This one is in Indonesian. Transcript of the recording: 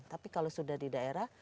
tapi kalau sudah di daerah